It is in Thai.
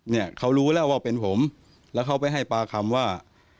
เนี่ยเขารู้แล้วว่าเป็นผมแล้วเขาไปให้ปากคำว่า